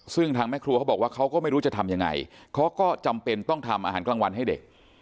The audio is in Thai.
ซึ่งทางแม่ครัวเขาบอกว่าเขาก็ไม่รู้จะทำยังไงเขาก็จำเป็นต้องทำอาหารกลางวันให้เด็ก